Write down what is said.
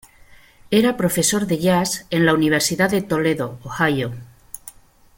Era profesor de "jazz" en la Universidad de Toledo, Ohio.